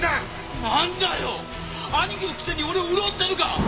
なんだよ兄貴のくせに俺を売ろうってのか！